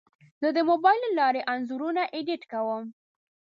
زه د موبایل له لارې انځورونه ایډیټ کوم.